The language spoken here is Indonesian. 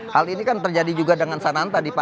hal ini kan terjadi juga dengan sananta